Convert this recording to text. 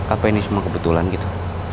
apa ini semua kebetulan gitu